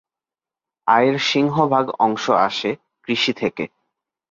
আয়ের সিংহভাগ অংশ আসে কৃষি থেকে।